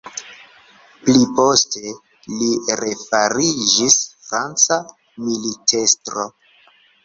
Pliposte, li refariĝis franca militestro.